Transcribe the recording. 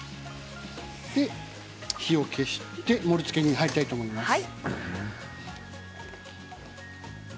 火を消して盛りつけに入りたいと思います。